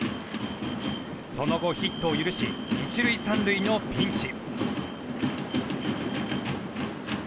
その後、ヒットを許し１塁３塁のピンチ。